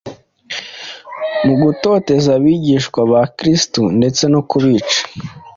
mu gutoteza abigishwa ba Kristo ndetse no kubica.